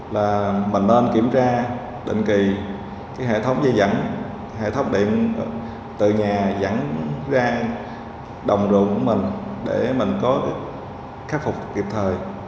là mình nên kiểm tra định kỳ hệ thống dây dẫn hệ thống điện từ nhà dẫn ra đồng ruộng của mình để mình có khắc phục kịp thời